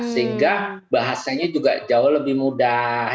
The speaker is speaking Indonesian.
sehingga bahasanya juga jauh lebih mudah